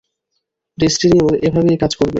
ডেস্টিনিও এভাবেই কাজ করবে!